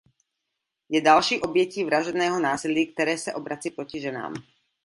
Je další obětí vražedného násilí, které se obrací proti ženám.